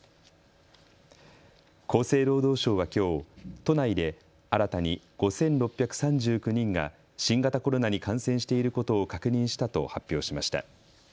厚生労働省はきょう都内で新たに５６３９人が新型コロナに感染していることを確認したと発表しました。